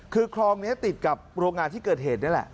คือคลองนี้ติดกับโรงงานที่เกิดเหตุนี่แหละ